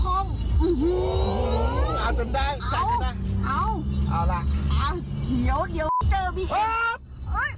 เอาจนได้จักรได้